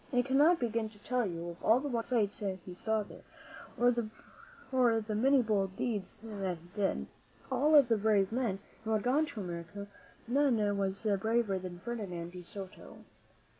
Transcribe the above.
I cannot begin to tell you of all the wonderful sights he saw there, or of the many bold deeds that he did. Of all the brave men who had gone to America, none was braver than Ferdinand de Soto.